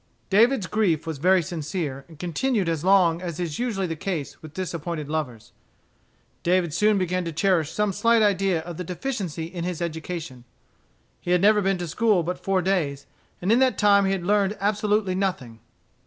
David's grief was very sincere, and continued as long as is usually the case with disappointed lovers. David soon began to cherish some slight idea of the deficiency in his education. He had never been to school but four days; and in that time he had learned absolutely nothing.